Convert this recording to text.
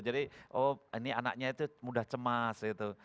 jadi oh ini anaknya itu mudah cemas gitu